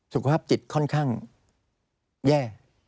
สุขภาพจิตค่อนข้างแย่